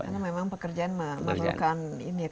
karena memang pekerjaan memerlukan ketekunan